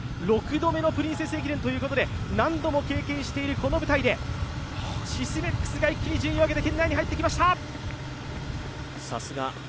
６度目の「プリンセス駅伝」ということで、何度も経験しているこの舞台でシスメックスが一気に順位を上げて、今圏内に入ってきました。